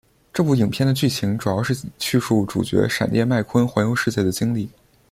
这部影片的剧情主要是叙述主角闪电麦坤环游世界的经历。